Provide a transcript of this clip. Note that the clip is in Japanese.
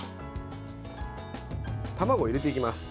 卵、入れていきます。